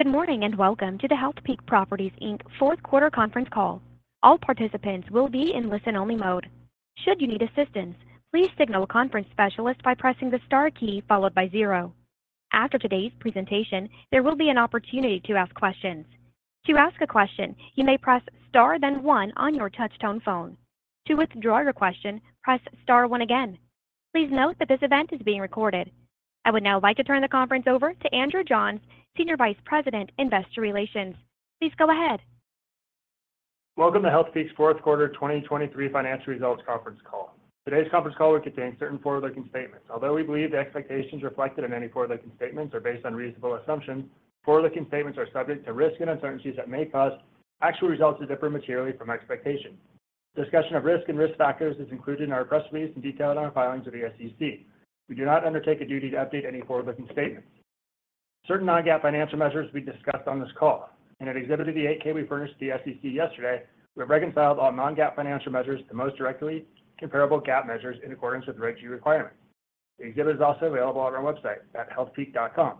Good morning and welcome to the Healthpeak Properties, Inc. Fourth Quarter Conference Call. All participants will be in listen-only mode. Should you need assistance, please signal a conference specialist by pressing the star key followed by zero. After today's presentation, there will be an opportunity to ask questions. To ask a question, you may press star then one on your touch-tone phone. To withdraw your question, press star one again. Please note that this event is being recorded. I would now like to turn the conference over to Andrew Johns, Senior Vice President, Investor Relations. Please go ahead. Welcome to Healthpeak's Fourth Quarter 2023 Financial Results Conference Call. Today's conference call will contain certain forward-looking statements. Although we believe the expectations reflected in any forward-looking statements are based on reasonable assumptions, forward-looking statements are subject to risk and uncertainties that may cause actual results to differ materially from expectations. Discussion of risk and risk factors is included in our press release and detailed in our filings with the SEC. We do not undertake a duty to update any forward-looking statements. Certain non-GAAP financial measures will be discussed on this call. In an exhibit of the 8-K we furnished to the SEC yesterday, we have reconciled all non-GAAP financial measures the most directly comparable GAAP measures in accordance with Regulation G requirements. The exhibit is also available on our website at healthpeak.com.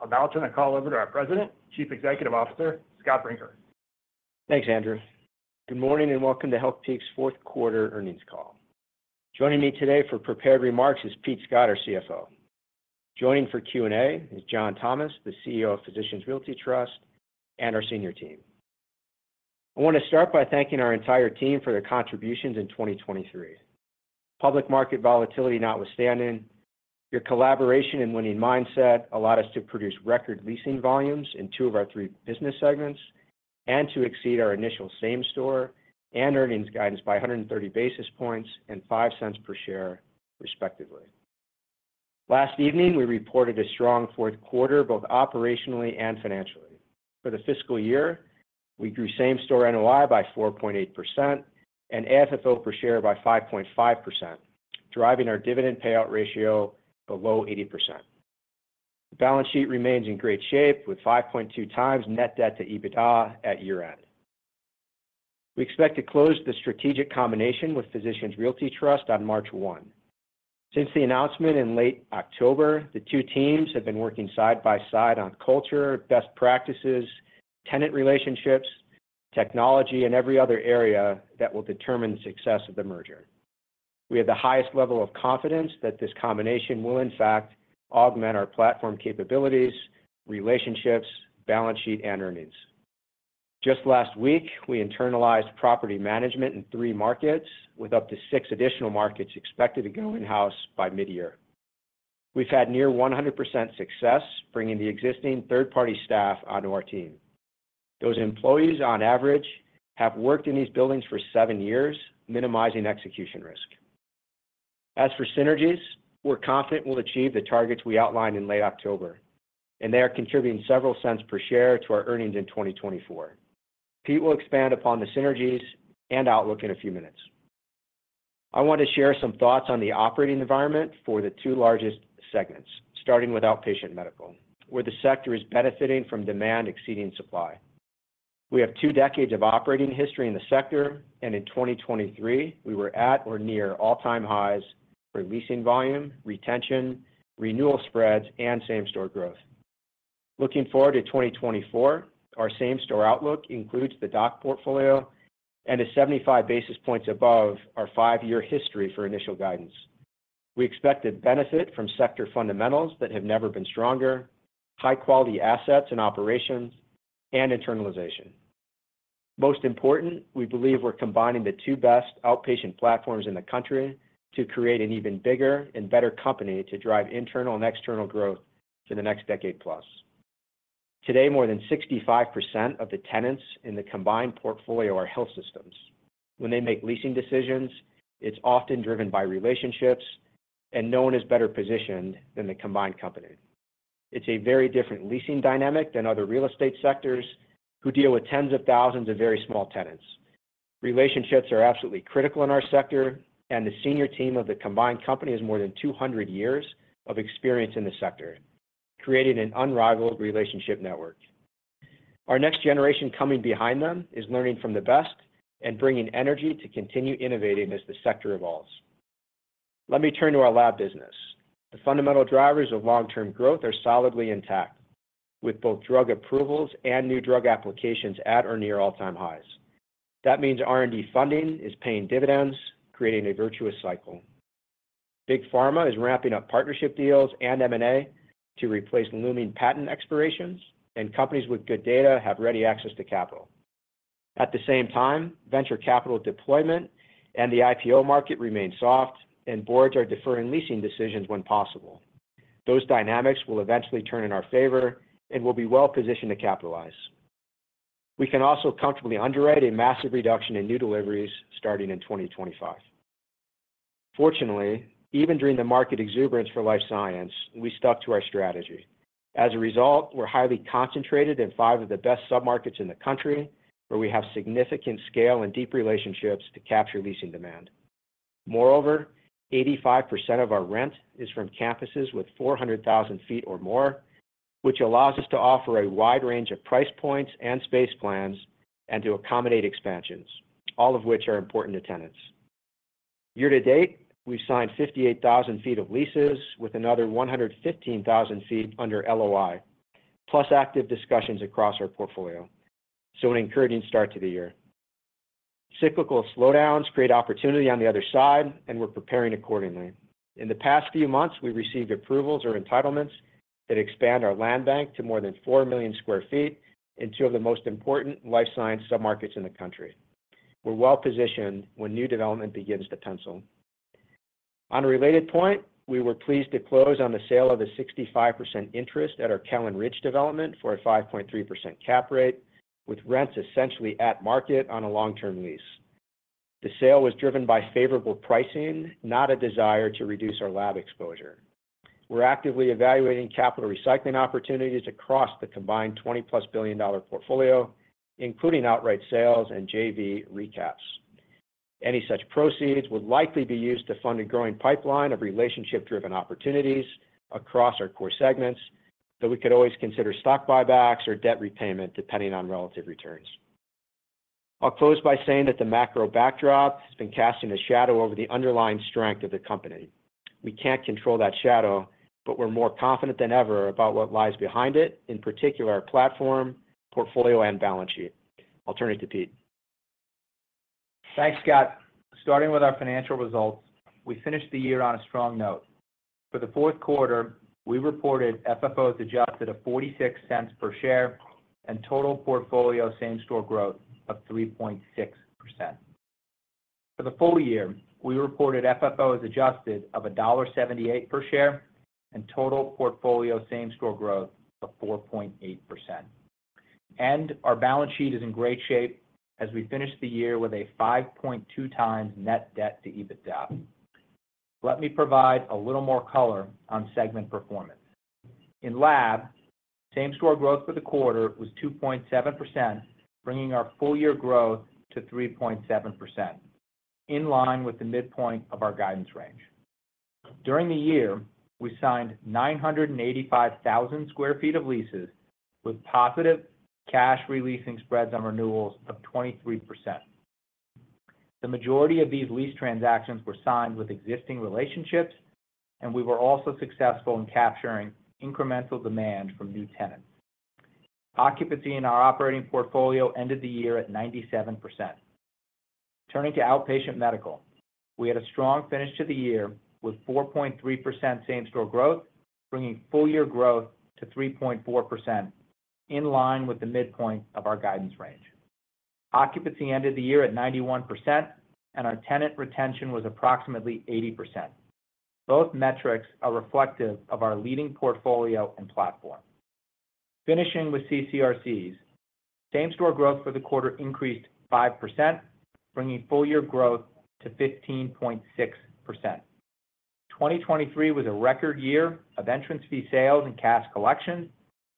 I'll now turn the call over to our President, Chief Executive Officer, Scott Brinker. Thanks, Andrew. Good morning and welcome to Healthpeak's Fourth Quarter Earnings Call. Joining me today for prepared remarks is Pete Scott, our CFO. Joining for Q&A is John Thomas, the CEO of Physicians Realty Trust, and our senior team. I want to start by thanking our entire team for their contributions in 2023. Public market volatility notwithstanding, your collaboration and winning mindset allowed us to produce record leasing volumes in two of our three business segments and to exceed our initial same-store and earnings guidance by 130 basis points and $0.05 per share, respectively. Last evening, we reported a strong fourth quarter both operationally and financially. For the fiscal year, we grew same-store NOI by 4.8% and AFFO per share by 5.5%, driving our dividend payout ratio below 80%. The balance sheet remains in great shape with 5.2x net debt to EBITDA at year-end. We expect to close the strategic combination with Physicians Realty Trust on March 1. Since the announcement in late October, the two teams have been working side by side on culture, best practices, tenant relationships, technology, and every other area that will determine the success of the merger. We have the highest level of confidence that this combination will, in fact, augment our platform capabilities, relationships, balance sheet, and earnings. Just last week, we internalized property management in three markets with up to six additional markets expected to go in-house by mid-year. We've had near 100% success bringing the existing third-party staff onto our team. Those employees, on average, have worked in these buildings for seven years, minimizing execution risk. As for synergies, we're confident we'll achieve the targets we outlined in late October, and they are contributing several cents per share to our earnings in 2024. Pete will expand upon the synergies and outlook in a few minutes. I want to share some thoughts on the operating environment for the two largest segments, starting with outpatient medical, where the sector is benefiting from demand exceeding supply. We have two decades of operating history in the sector, and in 2023, we were at or near all-time highs for leasing volume, retention, renewal spreads, and same-store growth. Looking forward to 2024, our same-store outlook includes the DOC portfolio and 75 basis points above our five-year history for initial guidance. We expect to benefit from sector fundamentals that have never been stronger, high-quality assets and operations, and internalization. Most important, we believe we're combining the two best outpatient platforms in the country to create an even bigger and better company to drive internal and external growth for the next decade-plus. Today, more than 65% of the tenants in the combined portfolio are health systems. When they make leasing decisions, it's often driven by relationships, and no one is better positioned than the combined company. It's a very different leasing dynamic than other real estate sectors who deal with tens of thousands of very small tenants. Relationships are absolutely critical in our sector, and the senior team of the combined company has more than 200 years of experience in the sector, creating an unrivaled relationship network. Our next generation coming behind them is learning from the best and bringing energy to continue innovating as the sector evolves. Let me turn to our lab business. The fundamental drivers of long-term growth are solidly intact, with both drug approvals and new drug applications at or near all-time highs. That means R&D funding is paying dividends, creating a virtuous cycle. Big Pharma is ramping up partnership deals and M&A to replace looming patent expirations, and companies with good data have ready access to capital. At the same time, venture capital deployment and the IPO market remain soft, and boards are deferring leasing decisions when possible. Those dynamics will eventually turn in our favor and will be well-positioned to capitalize. We can also comfortably underwrite a massive reduction in new deliveries starting in 2025. Fortunately, even during the market exuberance for life science, we stuck to our strategy. As a result, we're highly concentrated in five of the best submarkets in the country, where we have significant scale and deep relationships to capture leasing demand. Moreover, 85% of our rent is from campuses with 400,000 sq ft or more, which allows us to offer a wide range of price points and space plans and to accommodate expansions, all of which are important to tenants. Year to date, we've signed 58,000 sq ft of leases with another 115,000 sq ft under LOI, plus active discussions across our portfolio, so an encouraging start to the year. Cyclical slowdowns create opportunity on the other side, and we're preparing accordingly. In the past few months, we received approvals or entitlements that expand our land bank to more than 4 million sq ft in two of the most important life science submarkets in the country. We're well-positioned when new development begins to pencil. On a related point, we were pleased to close on the sale of a 65% interest at our Callan Ridge development for a 5.3% cap rate, with rents essentially at market on a long-term lease. The sale was driven by favorable pricing, not a desire to reduce our lab exposure. We're actively evaluating capital recycling opportunities across the combined $20+ billion portfolio, including outright sales and JV recaps. Any such proceeds would likely be used to fund a growing pipeline of relationship-driven opportunities across our core segments, though we could always consider stock buybacks or debt repayment depending on relative returns. I'll close by saying that the macro backdrop has been casting a shadow over the underlying strength of the company. We can't control that shadow, but we're more confident than ever about what lies behind it, in particular our platform, portfolio, and balance sheet. I'll turn it to Pete. Thanks, Scott. Starting with our financial results, we finished the year on a strong note. For the fourth quarter, we reported FFO as adjusted of $0.46 per share and total portfolio same-store growth of 3.6%. For the full year, we reported FFO as adjusted of $1.78 per share and total portfolio same-store growth of 4.8%. Our balance sheet is in great shape as we finished the year with a 5.2x net debt to EBITDA. Let me provide a little more color on segment performance. In lab, same-store growth for the quarter was 2.7%, bringing our full-year growth to 3.7%, in line with the midpoint of our guidance range. During the year, we signed 985,000 sq ft of leases with positive cash leasing spreads on renewals of 23%. The majority of these lease transactions were signed with existing relationships, and we were also successful in capturing incremental demand from new tenants. Occupancy in our operating portfolio ended the year at 97%. Turning to outpatient medical, we had a strong finish to the year with 4.3% same-store growth, bringing full-year growth to 3.4%, in line with the midpoint of our guidance range. Occupancy ended the year at 91%, and our tenant retention was approximately 80%. Both metrics are reflective of our leading portfolio and platform. Finishing with CCRCs, same-store growth for the quarter increased 5%, bringing full-year growth to 15.6%. 2023 was a record year of entrance fee sales and cash collections.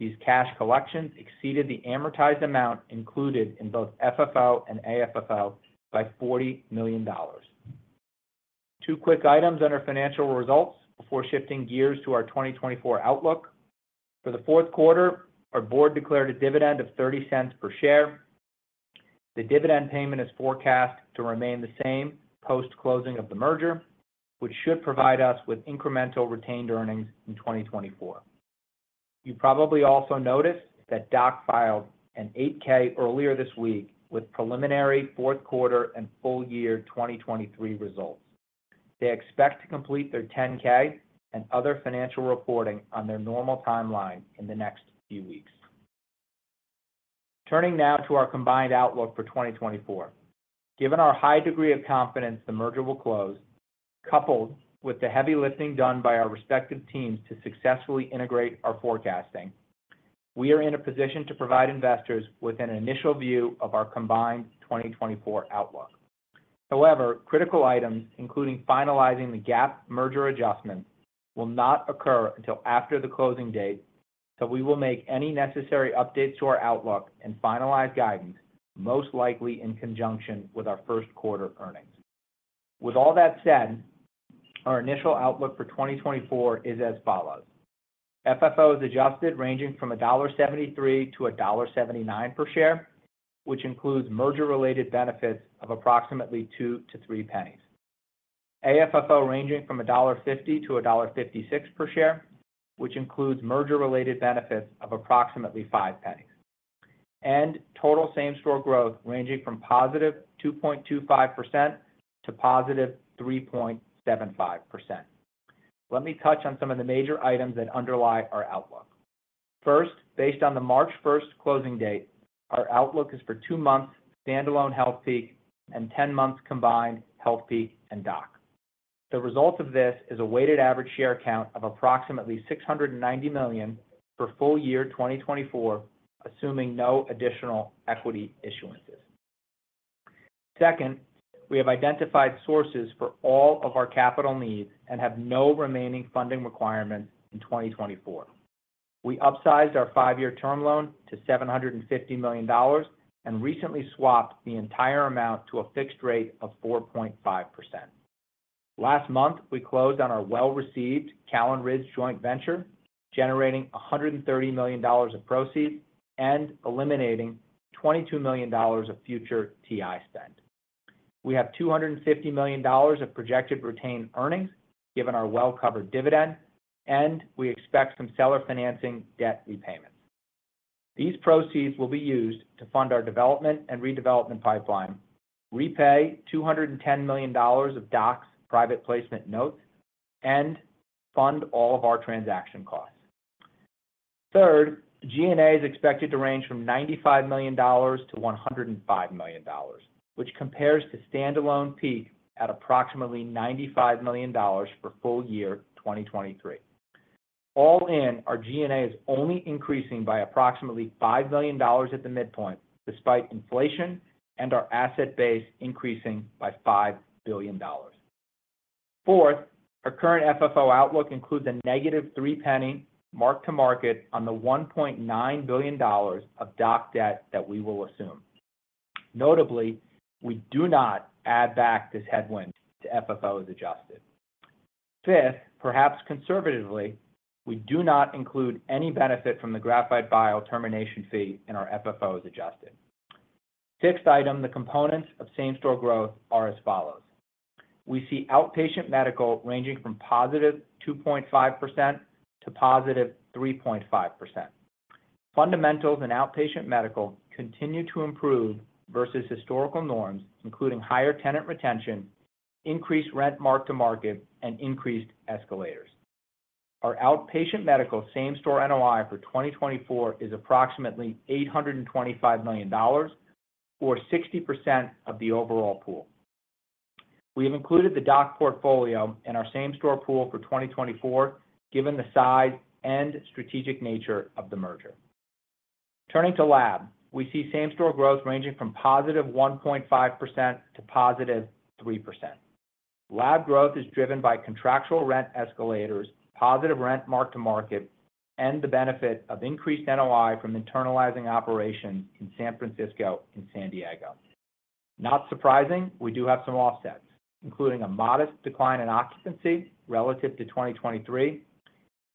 These cash collections exceeded the amortized amount included in both FFO and AFFO by $40 million. Two quick items under financial results before shifting gears to our 2024 outlook. For the fourth quarter, our board declared a dividend of $0.30 per share. The dividend payment is forecast to remain the same post-closing of the merger, which should provide us with incremental retained earnings in 2024. You probably also noticed that DOC filed an 8-K earlier this week with preliminary fourth quarter and full-year 2023 results. They expect to complete their 10-K and other financial reporting on their normal timeline in the next few weeks. Turning now to our combined outlook for 2024. Given our high degree of confidence the merger will close, coupled with the heavy lifting done by our respective teams to successfully integrate our forecasting, we are in a position to provide investors with an initial view of our combined 2024 outlook. However, critical items, including finalizing the DOC merger adjustments, will not occur until after the closing date, so we will make any necessary updates to our outlook and finalize guidance most likely in conjunction with our first quarter earnings. With all that said, our initial outlook for 2024 is as follows. FFO as adjusted ranging from $1.73-$1.79 per share, which includes merger-related benefits of approximately 2-3 pennies. AFFO ranging from $1.50-$1.56 per share, which includes merger-related benefits of approximately five pennies. And total same-store growth ranging from positive 2.25%-3.75%. Let me touch on some of the major items that underlie our outlook. First, based on the March 1st closing date, our outlook is for two months standalone Healthpeak and 10 months combined Healthpeak and DOC. The result of this is a weighted average share count of approximately 690 million for full-year 2024, assuming no additional equity issuances. Second, we have identified sources for all of our capital needs and have no remaining funding requirements in 2024. We upsized our five-year term loan to $750 million and recently swapped the entire amount to a fixed rate of 4.5%. Last month, we closed on our well-received Callan Ridge joint venture, generating $130 million of proceeds and eliminating $22 million of future TI spend. We have $250 million of projected retained earnings given our well-covered dividend, and we expect some seller financing debt repayments. These proceeds will be used to fund our development and redevelopment pipeline, repay $210 million of DOC's private placement notes, and fund all of our transaction costs. Third, G&A is expected to range from $95 million-$105 million, which compares to standalone peak at approximately $95 million for full-year 2023. All in, our G&A is only increasing by approximately $5 million at the midpoint despite inflation and our asset base increasing by $5 billion. Fourth, our current FFO outlook includes a -$0.03 mark-to-market on the $1.9 billion of DOC debt that we will assume. Notably, we do not add back this headwind to FFO as adjusted. Fifth, perhaps conservatively, we do not include any benefit from the Graphite Bio termination fee in our FFO as adjusted. Sixth item, the components of same-store growth are as follows. We see outpatient medical ranging from positive 2.5% to positive 3.5%. Fundamentals in outpatient medical continue to improve versus historical norms, including higher tenant retention, increased rent mark-to-market, and increased escalators. Our outpatient medical same-store NOI for 2024 is approximately $825 million, or 60% of the overall pool. We have included the DOC portfolio in our same-store pool for 2024 given the size and strategic nature of the merger. Turning to lab, we see same-store growth ranging from +1.5% to +3%. Lab growth is driven by contractual rent escalators, positive rent mark-to-market, and the benefit of increased NOI from internalizing operations in San Francisco and San Diego. Not surprising, we do have some offsets, including a modest decline in occupancy relative to 2023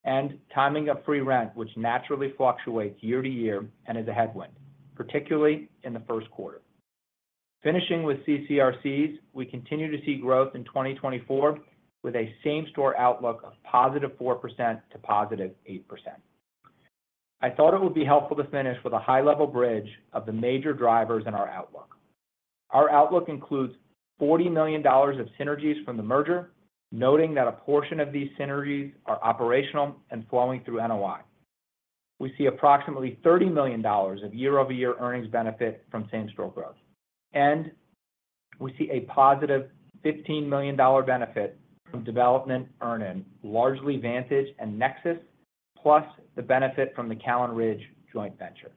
and timing of free rent, which naturally fluctuates year to year and is a headwind, particularly in the first quarter. Finishing with CCRCs, we continue to see growth in 2024 with a same-store outlook of +4% to +8%. I thought it would be helpful to finish with a high-level bridge of the major drivers in our outlook. Our outlook includes $40 million of synergies from the merger, noting that a portion of these synergies are operational and flowing through NOI. We see approximately $30 million of year-over-year earnings benefit from same-store growth, and we see a positive $15 million benefit from development earn-in, largely Vantage and Nexus, plus the benefit from the Callan Ridge joint venture.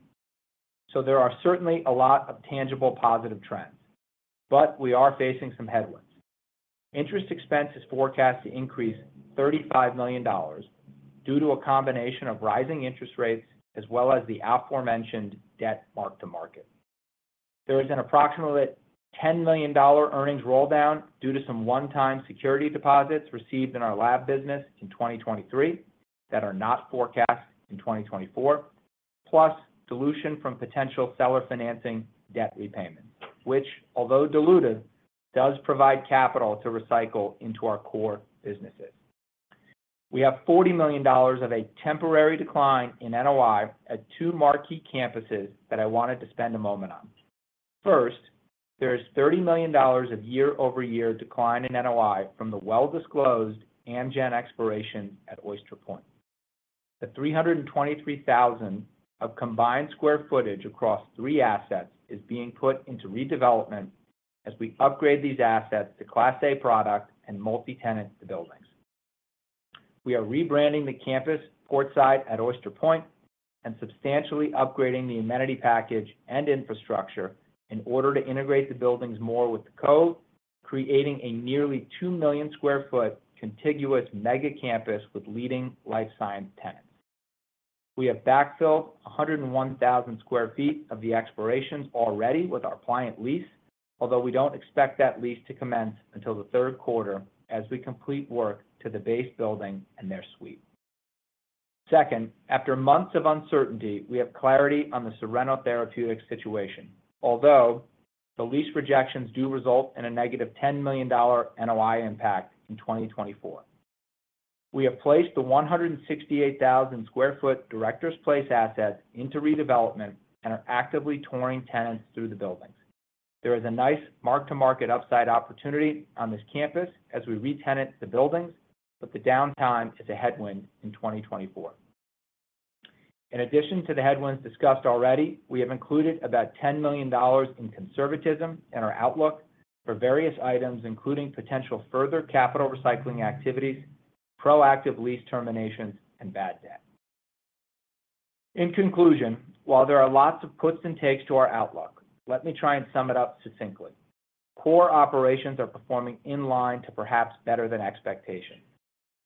So there are certainly a lot of tangible positive trends, but we are facing some headwinds. Interest expense is forecast to increase $35 million due to a combination of rising interest rates as well as the aforementioned debt mark-to-market. There is an approximately $10 million earnings roll-down due to some one-time security deposits received in our lab business in 2023 that are not forecast in 2024, plus dilution from potential seller financing debt repayments, which, although diluted, does provide capital to recycle into our core businesses. We have $40 million of a temporary decline in NOI at two marquee campuses that I wanted to spend a moment on. First, there is $30 million of year-over-year decline in NOI from the well-disclosed Amgen expiration at Oyster Point. The 323,000 sq ft of combined square footage across three assets is being put into redevelopment as we upgrade these assets to Class A product and multi-tenant buildings. We are rebranding the campus Portside at Oyster Point and substantially upgrading the amenity package and infrastructure in order to integrate the buildings more with the Cove, creating a nearly 2 million sq ft contiguous mega-campus with leading life science tenants. We have backfilled 101,000 sq ft of the expirations already with our client lease, although we don't expect that lease to commence until the third quarter as we complete work to the base building and their suite. Second, after months of uncertainty, we have clarity on the Sorrento Therapeutics situation, although the lease rejections do result in a negative $10 million NOI impact in 2024. We have placed the 168,000 sq ft Directors Place assets into redevelopment and are actively touring tenants through the buildings. There is a nice mark-to-market upside opportunity on this campus as we re-tenant the buildings, but the downtime is a headwind in 2024. In addition to the headwinds discussed already, we have included about $10 million in conservatism in our outlook for various items, including potential further capital recycling activities, proactive lease terminations, and bad debt. In conclusion, while there are lots of puts and takes to our outlook, let me try and sum it up succinctly. Core operations are performing in line to perhaps better than expectation.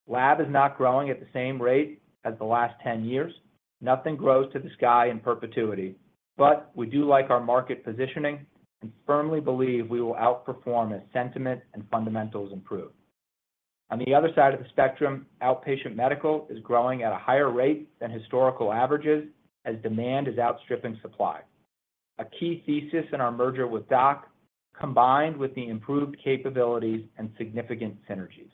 Lab is not growing at the same rate as the last 10 years. Nothing grows to the sky in perpetuity. But we do like our market positioning and firmly believe we will outperform as sentiment and fundamentals improve. On the other side of the spectrum, outpatient medical is growing at a higher rate than historical averages as demand is outstripping supply, a key thesis in our merger with DOC combined with the improved capabilities and significant synergies.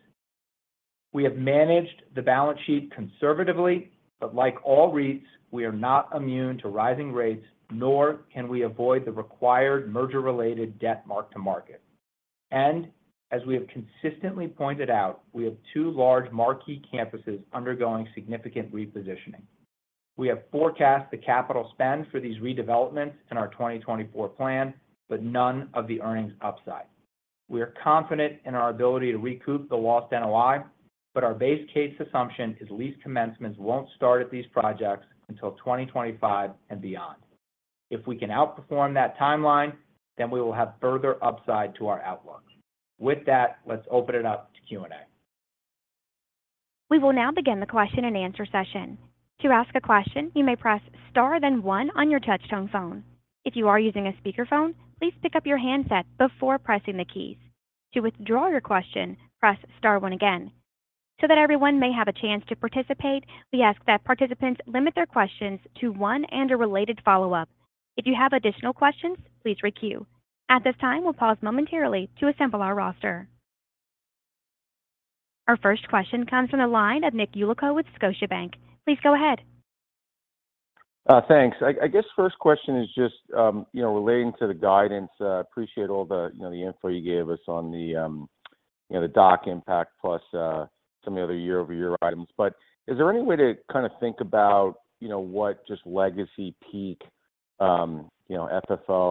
We have managed the balance sheet conservatively, but like all REITs, we are not immune to rising rates, nor can we avoid the required merger-related debt mark-to-market. And as we have consistently pointed out, we have two large marquee campuses undergoing significant repositioning. We have forecast the capital spend for these redevelopments in our 2024 plan, but none of the earnings upside. We are confident in our ability to recoup the lost NOI, but our base case assumption is lease commencements won't start at these projects until 2025 and beyond. If we can outperform that timeline, then we will have further upside to our outlook. With that, let's open it up to Q&A. We will now begin the question-and-answer session. To ask a question, you may press star then one on your touch-tone phone. If you are using a speakerphone, please pick up your handset before pressing the keys. To withdraw your question, press star one again. So that everyone may have a chance to participate, we ask that participants limit their questions to one and/or related follow-up. If you have additional questions, please requeue. At this time, we'll pause momentarily to assemble our roster. Our first question comes from the line of Nick Yulico with Scotiabank. Please go ahead. Thanks. I guess first question is just relating to the guidance. I appreciate all the info you gave us on the DOC impact plus some of the other year-over-year items. But is there any way to kind of think about what just legacy Healthpeak FFO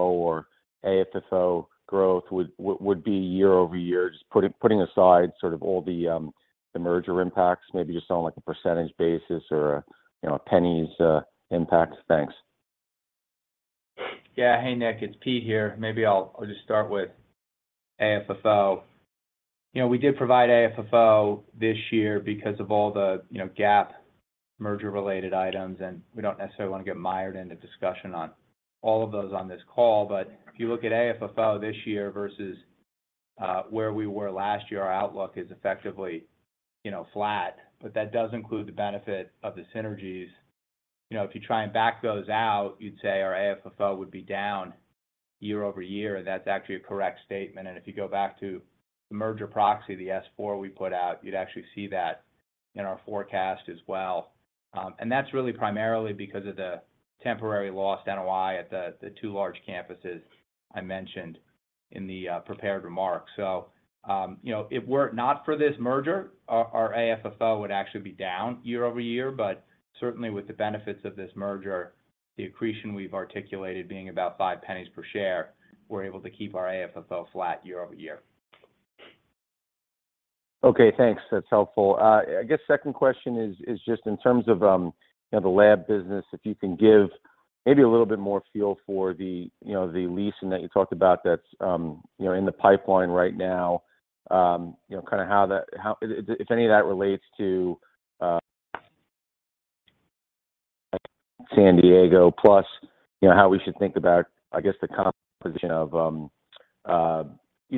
or AFFO growth would be year-over-year, just putting aside sort of all the merger impacts, maybe just on a percentage basis or pennies impacts? Thanks. Yeah. Hey, Nick. It's Pete here. Maybe I'll just start with AFFO. We did provide AFFO this year because of all the GAAP merger-related items, and we don't necessarily want to get mired into discussion on all of those on this call. But if you look at AFFO this year versus where we were last year, our outlook is effectively flat. But that does include the benefit of the synergies. If you try and back those out, you'd say our AFFO would be down year-over-year, and that's actually a correct statement. And if you go back to the merger proxy, the S4 we put out, you'd actually see that in our forecast as well. And that's really primarily because of the temporary lost NOI at the two large campuses I mentioned in the prepared remarks. So if not for this merger, our AFFO would actually be down year-over-year. But certainly, with the benefits of this merger, the accretion we've articulated being about $0.05 per share, we're able to keep our AFFO flat year-over-year. Okay. Thanks. That's helpful. I guess second question is just in terms of the lab business, if you can give maybe a little bit more fuel for the lease and that you talked about that's in the pipeline right now, kind of how that, if any of that relates to San Diego, plus how we should think about, I guess, the composition of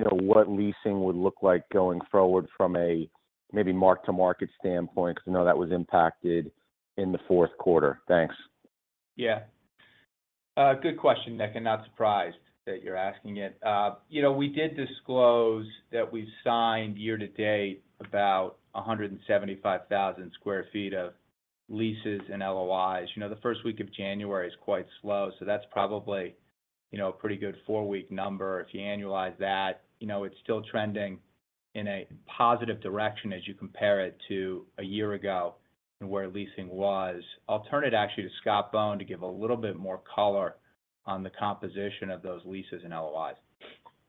what leasing would look like going forward from a maybe mark-to-market standpoint because I know that was impacted in the fourth quarter. Thanks. Yeah. Good question, Nick, and not surprised that you're asking it. We did disclose that we've signed year to date about 175,000 sq ft of leases and LOIs. The first week of January is quite slow, so that's probably a pretty good four-week number. If you annualize that, it's still trending in a positive direction as you compare it to a year ago and where leasing was. I'll turn it actually to Scott Bohn to give a little bit more color on the composition of those leases and LOIs.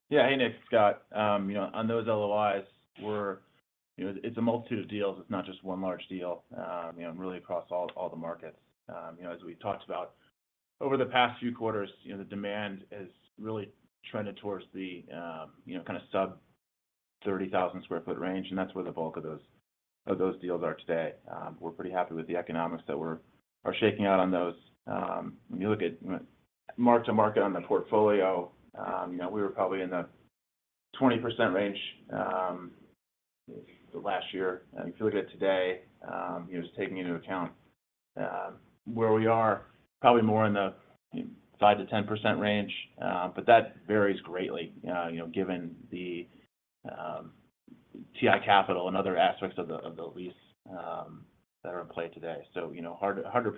Yeah. Hey, Nick. Scott, on those LOIs, it's a multitude of deals. It's not just one large deal. Really, across all the markets, as we talked about, over the past few quarters, the demand has really trended towards the kind of sub-30,000 sq ft range, and that's where the bulk of those deals are today. We're pretty happy with the economics that are shaking out on those. When you look at mark-to-market on the portfolio, we were probably in the 20% range the last year. And if you look at it today, just taking into account where we are, probably more in the 5%-10% range. But that varies greatly given the TI capital and other aspects of the lease that are in play today. So hard to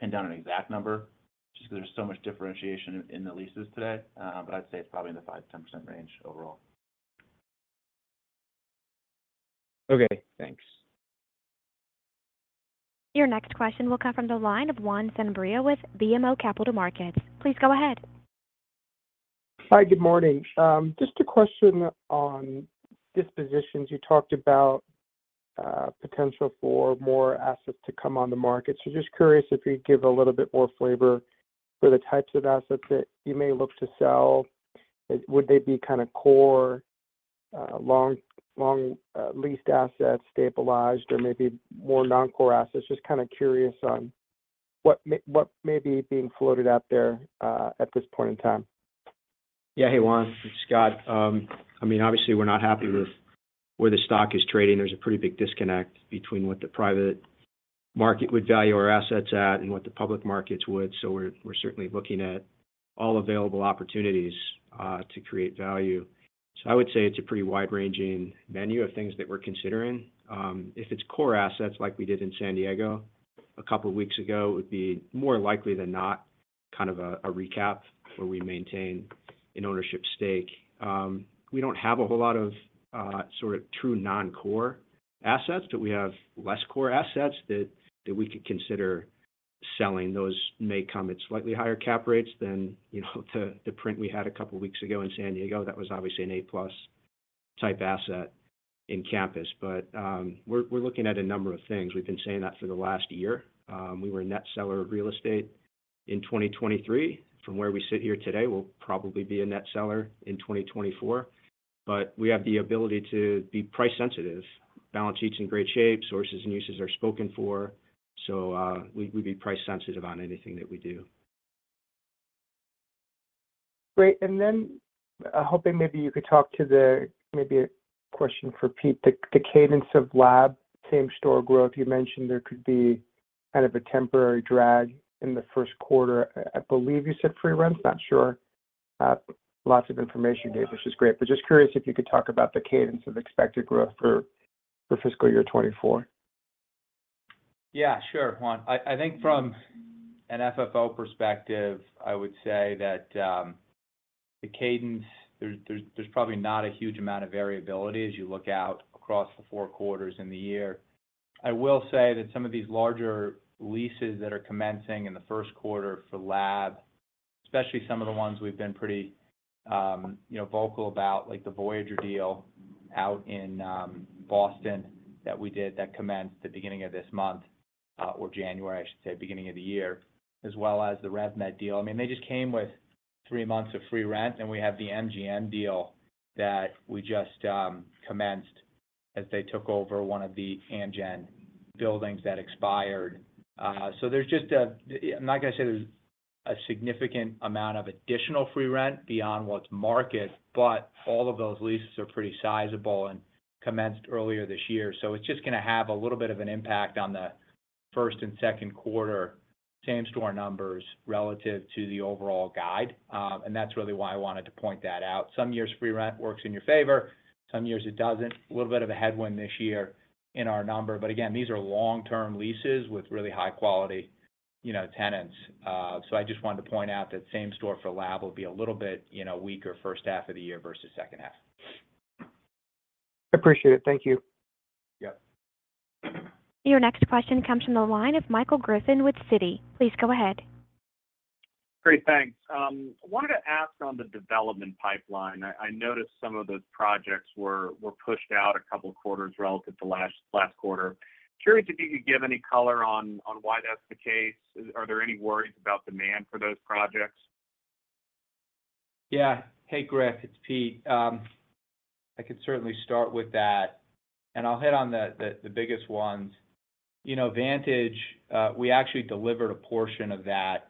pin down an exact number just because there's so much differentiation in the leases today. I'd say it's probably in the 5%-10% range overall. Okay. Thanks. Your next question will come from the line of Juan Sanabria with BMO Capital Markets. Please go ahead. Hi. Good morning. Just a question on dispositions. You talked about potential for more assets to come on the market. So just curious if you'd give a little bit more flavor for the types of assets that you may look to sell. Would they be kind of core long-leased assets, stabilized, or maybe more non-core assets? Just kind of curious on what may be being floated out there at this point in time. Yeah. Hey, Juan. It's Scott. I mean, obviously, we're not happy with where the stock is trading. There's a pretty big disconnect between what the private market would value our assets at and what the public markets would. So we're certainly looking at all available opportunities to create value. So I would say it's a pretty wide-ranging menu of things that we're considering. If it's core assets, like we did in San Diego a couple of weeks ago, it would be more likely than not kind of a recap where we maintain an ownership stake. We don't have a whole lot of sort of true non-core assets, but we have less core assets that we could consider selling. Those may come at slightly higher cap rates than the print we had a couple of weeks ago in San Diego. That was obviously an A-plus type asset in campus. But we're looking at a number of things. We've been saying that for the last year. We were a net seller of real estate in 2023. From where we sit here today, we'll probably be a net seller in 2024. But we have the ability to be price-sensitive. Balance sheets in great shape. Sources and uses are spoken for. So we'd be price-sensitive on anything that we do. Great. Then I'm hoping maybe you could talk about maybe a question for Pete. The cadence of lab same-store growth, you mentioned there could be kind of a temporary drag in the first quarter. I believe you said free rents. Not sure. Lots of information you gave, which is great. But just curious if you could talk about the cadence of expected growth for fiscal year 2024. Yeah. Sure, Juan. I think from an FFO perspective, I would say that the cadence, there's probably not a huge amount of variability as you look out across the four quarters in the year. I will say that some of these larger leases that are commencing in the first quarter for lab, especially some of the ones we've been pretty vocal about, like the Voyager deal out in Boston that we did that commenced the beginning of this month or January, I should say, beginning of the year, as well as the RevMed deal. I mean, they just came with three months of free rent, and we have the NGM deal that we just commenced as they took over one of the Amgen buildings that expired. So, I'm not going to say there's a significant amount of additional free rent beyond what's market, but all of those leases are pretty sizable and commenced earlier this year. So it's just going to have a little bit of an impact on the first and second quarter, same-store numbers relative to the overall guide. And that's really why I wanted to point that out. Some years free rent works in your favor. Some years it doesn't. A little bit of a headwind this year in our number. But again, these are long-term leases with really high-quality tenants. So I just wanted to point out that same-store for lab will be a little bit weaker first half of the year versus second half. I appreciate it. Thank you. Yep. Your next question comes from the line of Michael Griffin with Citi. Please go ahead. Great. Thanks. I wanted to ask on the development pipeline. I noticed some of those projects were pushed out a couple of quarters relative to last quarter. Curious if you could give any color on why that's the case. Are there any worries about demand for those projects? Yeah. Hey, Griff. It's Pete. I could certainly start with that, and I'll hit on the biggest ones. Vantage, we actually delivered a portion of that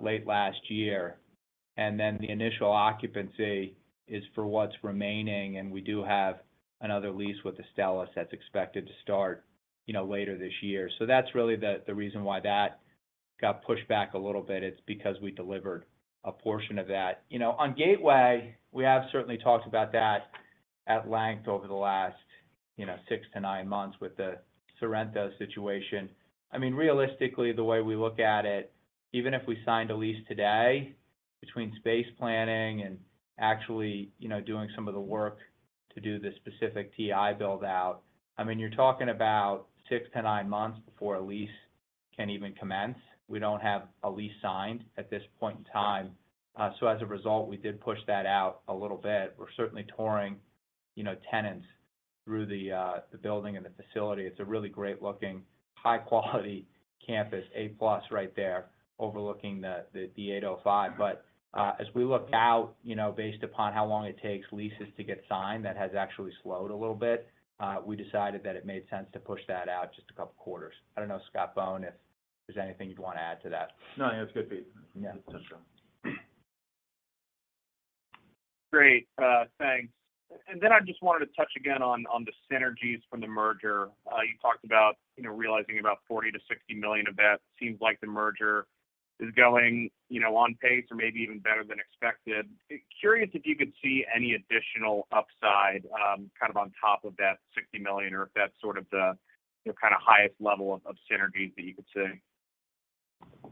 late last year. Then the initial occupancy is for what's remaining, and we do have another lease with Astellas that's expected to start later this year. So that's really the reason why that got pushed back a little bit. It's because we delivered a portion of that. On Gateway, we have certainly talked about that at length over the last 6-9 months with the Sorrento situation. I mean, realistically, the way we look at it, even if we signed a lease today between space planning and actually doing some of the work to do the specific TI build-out, I mean, you're talking about 6-9 months before a lease can even commence. We don't have a lease signed at this point in time. So as a result, we did push that out a little bit. We're certainly touring tenants through the building and the facility. It's a really great-looking, high-quality campus, A-plus right there overlooking the 805. But as we looked out, based upon how long it takes leases to get signed, that has actually slowed a little bit. We decided that it made sense to push that out just a couple of quarters. I don't know, Scott Bohn, if there's anything you'd want to add to that. No. That's good, Pete. That's true. Great. Thanks. And then I just wanted to touch again on the synergies from the merger. You talked about realizing about $40 million-$60 million of that. Seems like the merger is going on pace or maybe even better than expected. Curious if you could see any additional upside kind of on top of that $60 million or if that's sort of the kind of highest level of synergies that you could see.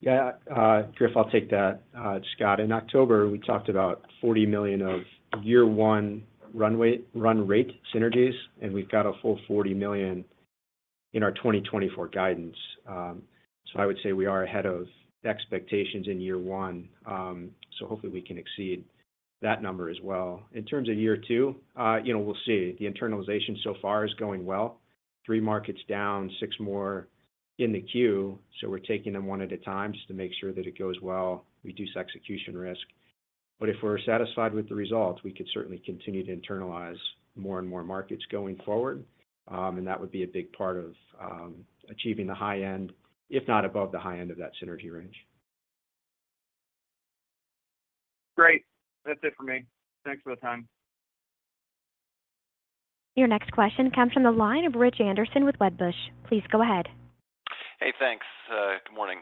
Yeah. Griff, I'll take that, Scott. In October, we talked about $40 million of year-one run-rate synergies, and we've got a full $40 million in our 2024 guidance. So I would say we are ahead of expectations in year one. So hopefully, we can exceed that number as well. In terms of year two, we'll see. The internalization so far is going well. Three markets down, six more in the queue. So we're taking them one at a time just to make sure that it goes well. Reduce execution risk. But if we're satisfied with the results, we could certainly continue to internalize more and more markets going forward, and that would be a big part of achieving the high end, if not above the high end of that synergy range. Great. That's it for me. Thanks for the time. Your next question comes from the line of Rich Anderson with Wedbush. Please go ahead. Hey. Thanks. Good morning.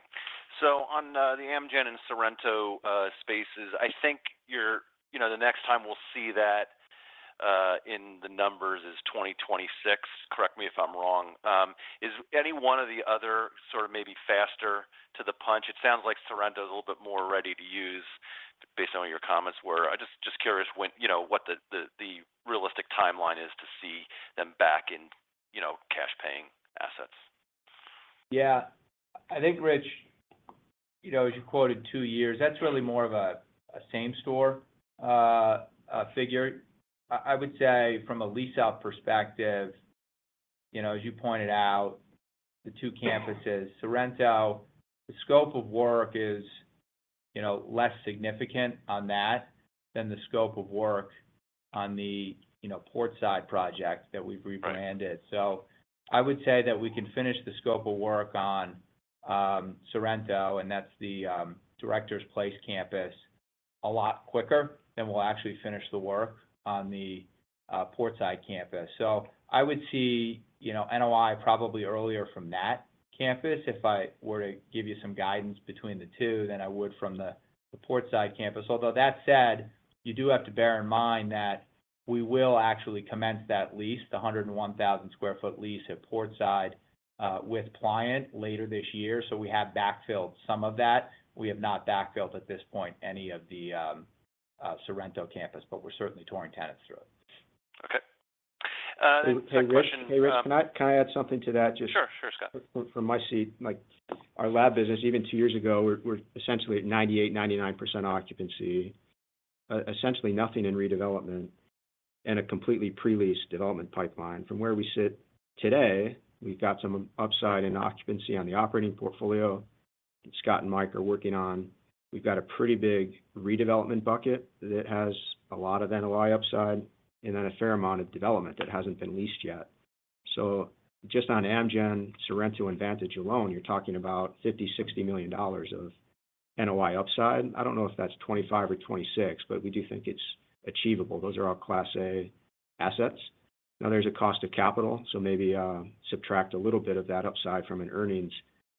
So on the Amgen and Sorrento spaces, I think the next time we'll see that in the numbers is 2026. Correct me if I'm wrong. Is any one of the other sort of maybe faster to the punch? It sounds like Sorrento is a little bit more ready to use, based on your comments. I'm just curious what the realistic timeline is to see them back in cash-paying assets. Yeah. I think, Rich, as you quoted, two years, that's really more of a same-store figure. I would say from a lease-out perspective, as you pointed out, the two campuses, Sorrento, the scope of work is less significant on that than the scope of work on the Portside project that we've rebranded. So I would say that we can finish the scope of work on Sorrento, and that's the Directors Place campus, a lot quicker than we'll actually finish the work on the Portside campus. So I would see NOI probably earlier from that campus. If I were to give you some guidance between the two, then I would from the Portside campus. Although that said, you do have to bear in mind that we will actually commence that lease, the 101,000 sq ft lease at Portside with Pliant later this year. So we have backfilled some of that. We have not backfilled at this point any of the Sorrento campus, but we're certainly touring tenants through it. Okay. Hey, Rich. Can I add something to that just. Sure. Sure, Scott. From my seat? Our lab business, even two years ago, we're essentially at 98%-99% occupancy, essentially nothing in redevelopment, and a completely pre-leased development pipeline. From where we sit today, we've got some upside in occupancy on the operating portfolio that Scott and Mike are working on. We've got a pretty big redevelopment bucket that has a lot of NOI upside and then a fair amount of development that hasn't been leased yet. So just on Amgen, Sorrento, and Vantage alone, you're talking about $50-$60 million of NOI upside. I don't know if that's 25 or 26, but we do think it's achievable. Those are all Class A assets. Now, there's a cost of capital, so maybe subtract a little bit of that upside from an earnings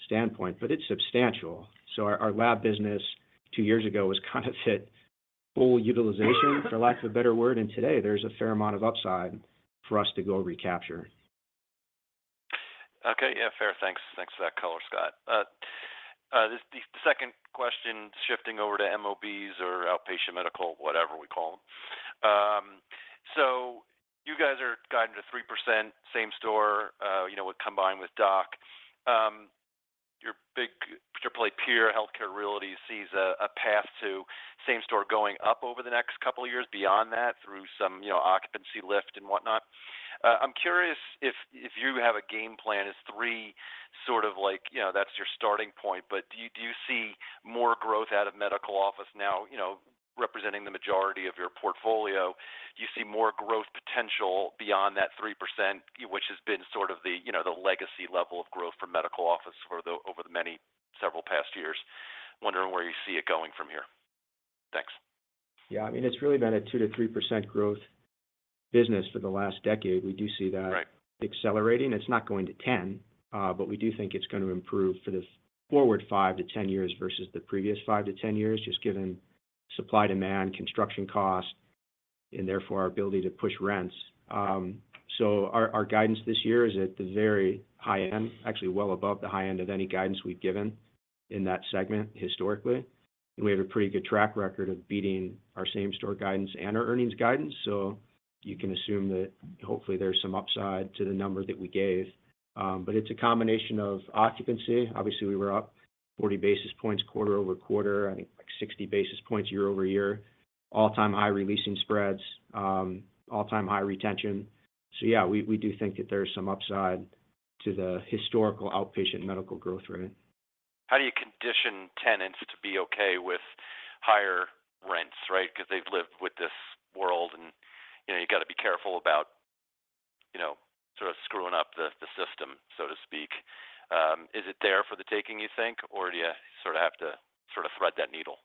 standpoint, but it's substantial. So our lab business two years ago was kind of hit full utilization, for lack of a better word. And today, there's a fair amount of upside for us to go recapture. Okay. Yeah. Fair. Thanks for that color, Scott. The second question, shifting over to MOBs or outpatient medical, whatever we call them. So you guys are guided to 3%, same-store combined with DOC. Your peer, Healthcare Realty, sees a path to same-store going up over the next couple of years, beyond that through some occupancy lift and whatnot. I'm curious if you have a game plan. It's three sort of like that's your starting point. But do you see more growth out of medical office now representing the majority of your portfolio? Do you see more growth potential beyond that 3%, which has been sort of the legacy level of growth for medical office over the many several past years? Wondering where you see it going from here. Thanks. Yeah. I mean, it's really been a 2%-3% growth business for the last decade. We do see that accelerating. It's not going to 10%, but we do think it's going to improve for the forward 5-10 years versus the previous 5-10 years, just given supply-demand, construction cost, and therefore our ability to push rents. So our guidance this year is at the very high end, actually well above the high end of any guidance we've given in that segment historically. And we have a pretty good track record of beating our same-store guidance and our earnings guidance. So you can assume that hopefully, there's some upside to the number that we gave. But it's a combination of occupancy. Obviously, we were up 40 basis points quarter-over-quarter, I think 60 basis points year-over-year, all-time high releasing spreads, all-time high retention. So yeah, we do think that there's some upside to the historical outpatient medical growth rate. How do you condition tenants to be okay with higher rents, right? Because they've lived with this world, and you've got to be careful about sort of screwing up the system, so to speak. Is it there for the taking, you think, or do you sort of have to sort of thread that needle?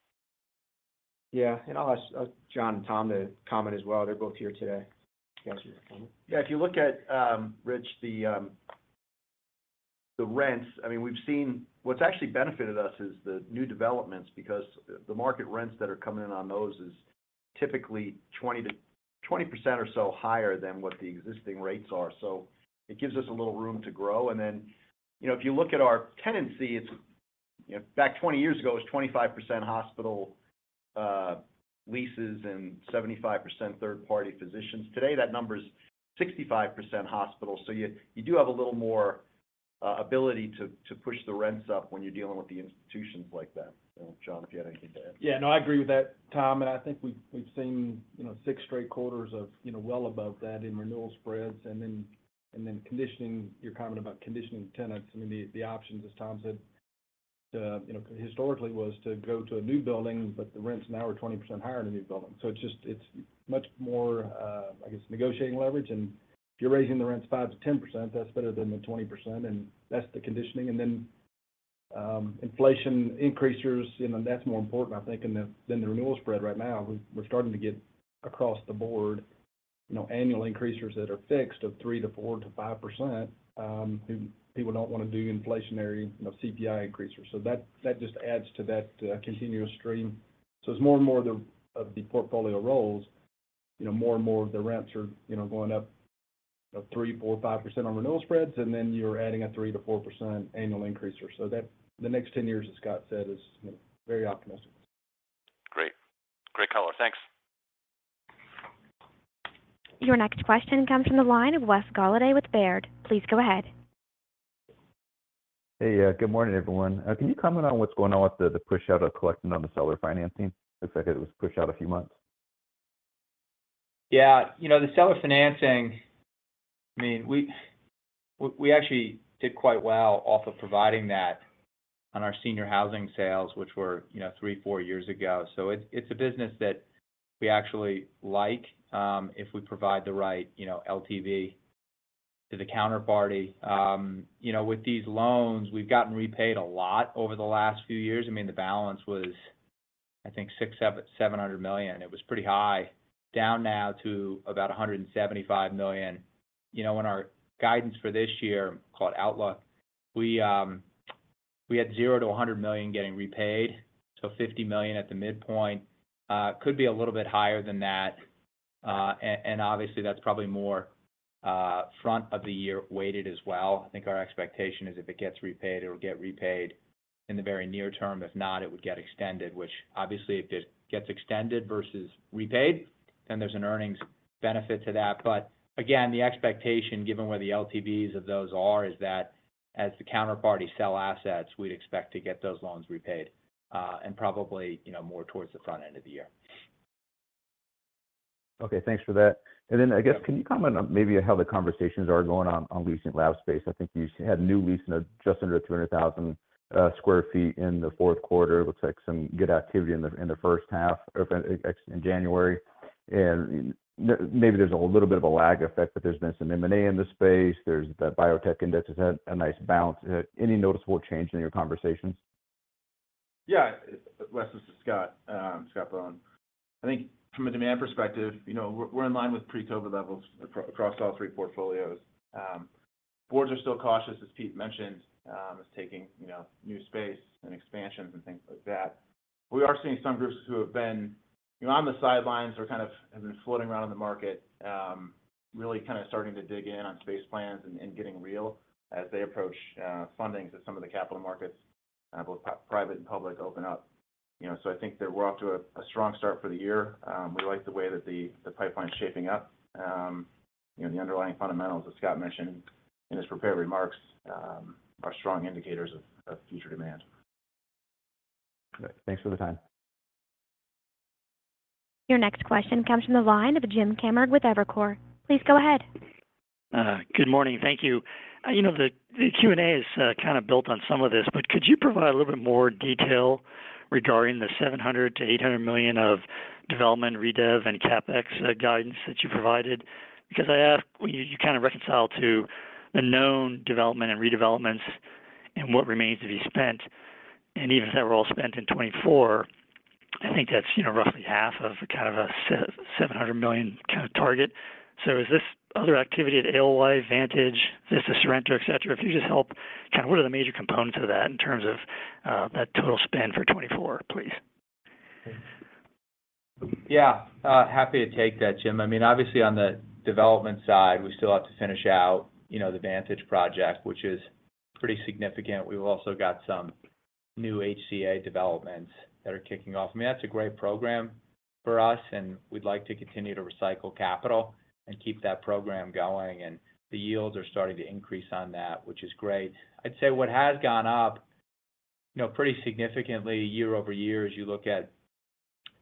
Yeah. And I'll ask John and Tom to comment as well. They're both here today. You guys want to comment? Yeah. If you look at, Rich, the rents, I mean, we've seen what's actually benefited us is the new developments because the market rents that are coming in on those is typically 20% or so higher than what the existing rates are. So it gives us a little room to grow. And then if you look at our tenancy, back 20 years ago, it was 25% hospital leases and 75% third-party physicians. Today, that number is 65% hospital. So you do have a little more ability to push the rents up when you're dealing with the institutions like that. I don't know, John, if you had anything to add. Yeah. No, I agree with that, Tom. And I think we've seen six straight quarters of well above that in renewal spreads. And then your comment about conditioning tenants, I mean, the options, as Tom said, historically was to go to a new building, but the rents now are 20% higher in a new building. So it's much more, I guess, negotiating leverage. And if you're raising the rents 5%-10%, that's better than the 20%, and that's the conditioning. And then inflation increasers, and that's more important, I think, than the renewal spread right now. We're starting to get across the board annual increasers that are fixed of 3%-5%. People don't want to do inflationary CPI increasers. So that just adds to that continuous stream. So it's more and more of the portfolio roles. More and more of the rents are going up 3%, 4%, 5% on renewal spreads, and then you're adding a 3%-4% annual increases. So the next 10 years, as Scott said, is very optimistic. Great. Great color. Thanks. Your next question comes from the line of Wes Golladay with Baird. Please go ahead. Hey. Good morning, everyone. Can you comment on what's going on with the push-out of collecting on the seller financing? Looks like it was pushed out a few months. Yeah. The seller financing, I mean, we actually did quite well off of providing that on our senior housing sales, which were 3-4 years ago. So it's a business that we actually like if we provide the right LTV to the counterparty. With these loans, we've gotten repaid a lot over the last few years. I mean, the balance was, I think, $700 million. It was pretty high, down now to about $175 million. In our guidance for this year called outlook, we had $0-$100 million getting repaid, so $50 million at the midpoint. Could be a little bit higher than that. And obviously, that's probably more front of the year weighted as well. I think our expectation is if it gets repaid, it'll get repaid in the very near term. If not, it would get extended, which obviously, if it gets extended versus repaid, then there's an earnings benefit to that. But again, the expectation, given where the LTVs of those are, is that as the counterparty sell assets, we'd expect to get those loans repaid and probably more towards the front end of the year. Okay. Thanks for that. And then I guess can you comment on maybe how the conversations are going on leasing lab space? I think you had new leasing of just under 300,000 sq ft in the fourth quarter. Looks like some good activity in the first half in January. And maybe there's a little bit of a lag effect, but there's been some M&A in the space. The biotech index has had a nice bounce. Any noticeable change in your conversations? Yeah. Wes, this is Scott, Scott Bohn. I think from a demand perspective, we're in line with pre-COVID levels across all three portfolios. Boards are still cautious, as Pete mentioned, is taking new space and expansions and things like that. We are seeing some groups who have been on the sidelines or kind of have been floating around in the market, really kind of starting to dig in on space plans and getting real as they approach fundings at some of the capital markets, both private and public, open up. So I think we're off to a strong start for the year. We like the way that the pipeline's shaping up. The underlying fundamentals that Scott mentioned in his prepared remarks are strong indicators of future demand. Great. Thanks for the time. Your next question comes from the line of James Kammert with Evercore. Please go ahead. Good morning. Thank you. The Q&A is kind of built on some of this, but could you provide a little bit more detail regarding the $700 million-$800 million of development, redev, and CapEx guidance that you provided? Because I asked, you kind of reconcile to the known development and redevelopments and what remains to be spent. And even if that were all spent in 2024, I think that's roughly half of kind of a $700 million kind of target. So is this other activity at AOY, Vantage, Vista, Sorrento, etc.? If you could just help, kind of what are the major components of that in terms of that total spend for 2024, please? Yeah. Happy to take that, James. I mean, obviously, on the development side, we still have to finish out the Vantage project, which is pretty significant. We've also got some new HCA developments that are kicking off. I mean, that's a great program for us, and we'd like to continue to recycle capital and keep that program going. And the yields are starting to increase on that, which is great. I'd say what has gone up pretty significantly year-over-year as you look at